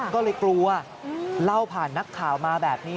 ก็เลยกลัวเล่าผ่านนักข่าวมาแบบนี้